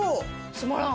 閉まらん。